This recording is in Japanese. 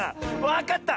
わかった！